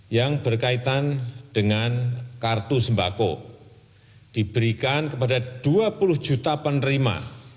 yang berkaitan dengan kartu sembako diberikan kepada dua puluh juta penerima